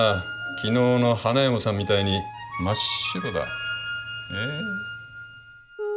昨日の花嫁さんみたいに真っ白だ。